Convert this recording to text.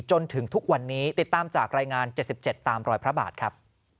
จนถึงทุกวันนี้ติดตามจากรายงาน๗๗ตามรอยพระบาทครับ